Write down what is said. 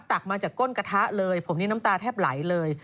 ตักมาจากก้นกระทะเลยผมนี่น้ำตาแทบไหลเลย